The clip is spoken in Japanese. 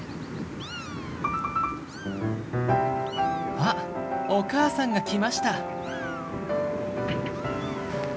わっお母さんが来ました。